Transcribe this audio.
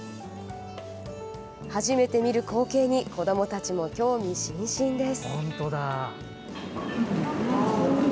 初めて見る光景に子どもたちも興味津々です。